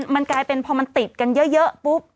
มันกลายเป็นพอมันติดกันเยอะปุ๊บ